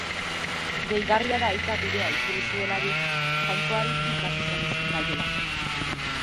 Deigarria da Aita Gurea itzuli zuelarik, Jainkoari hika zuzendu zitzaiola.